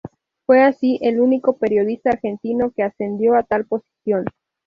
Fue así el único periodista argentino que accedió a tal posición.